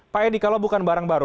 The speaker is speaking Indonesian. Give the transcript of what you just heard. pak edi kalau bukan barang baru